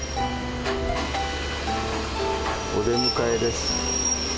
お出迎えです。